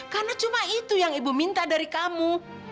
karena cuma itu yang ibu minta dari kamu